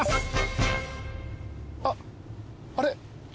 あっあれ？